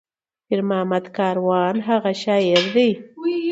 پير محمد کاروان هغه شاعر دى